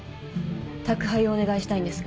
宅配をお願いしたいんですが。